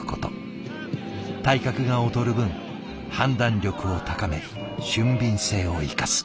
体格が劣る分判断力を高め俊敏性を生かす。